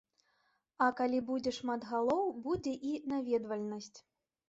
А калі будзе шмат галоў, будзе і наведвальнасць.